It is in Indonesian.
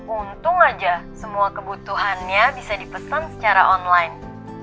untung aja semua kebutuhannya bisa dipesan secara online